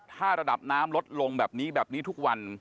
ถ้าระดับน้ำลดลงแบบนี้แบบนี้ทุกวัน